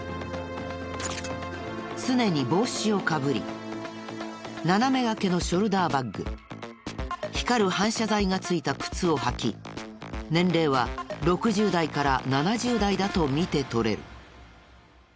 常に帽子をかぶり斜めがけのショルダーバッグ光る反射材が付いた靴を履き年齢は６０代から７０代だと見て取れる。